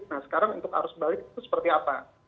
nah sekarang untuk arus balik itu seperti apa